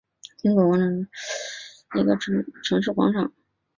英国广场是克罗地亚首都萨格勒布的一个城市广场。